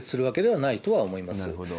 なるほど。